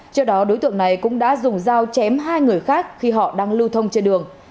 trước đó đối tượng này cũng đã dùng dao chém hai người khác khi họ đang lưu thông trên đường